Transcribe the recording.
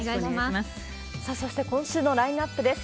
さあ、そして今週のラインナップです。